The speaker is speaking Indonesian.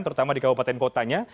terutama di kabupaten kotanya